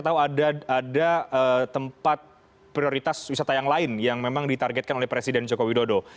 atau ada tempat prioritas wisata yang lain yang memang ditargetkan oleh presiden joko widodo